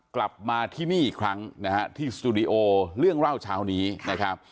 กลับมาที่นี่อีกครั้งนะฮะที่สตูดิโอเรื่องเล่าเช้านี้นะครับ